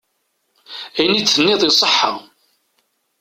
Ayen i d-tenniḍ iṣeḥḥa.